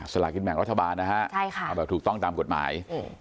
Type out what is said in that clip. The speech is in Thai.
ลากินแบ่งรัฐบาลนะฮะใช่ค่ะเอาแบบถูกต้องตามกฎหมาย